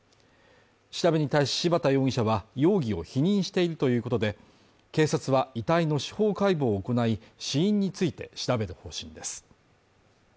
調べに対し柴田容疑者は容疑を否認しているということで、警察は、遺体の司法解剖を行い死因について調べる方針です。